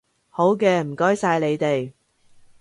好嘅，唔該曬你哋